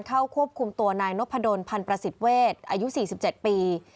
เข้าควบคุมตัวนายนพดลพันธุ์ประสิทธิ์เวชอายุสี่สิบเจ็ดปี